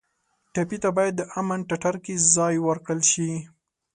ټپي ته باید د امن ټټر کې ځای ورکړل شي.